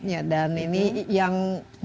ya dan ini yang